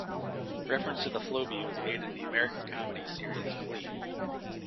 Reference to the Flowbee was made in the American comedy series Glee.